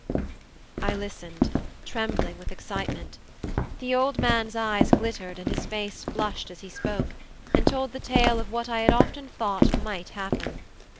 I listened, trembling with excitement. The old man's eyes glittered and his face flushed as he spoke, and told the tale of what I had often thought might happen.